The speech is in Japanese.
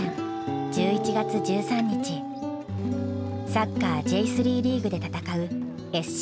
サッカーＪ３リーグで戦うＳＣ